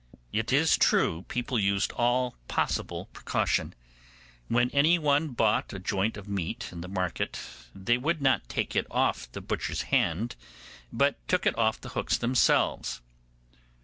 It is true people used all possible precaution. When any one bought a joint of meat in the market they would not take it off the butcher's hand, but took it off the hooks themselves.